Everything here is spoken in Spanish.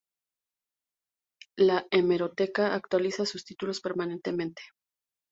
La hemeroteca actualiza sus títulos permanentemente.